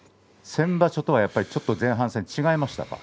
先場所とはやっぱりちょっと前半戦、違いましたか？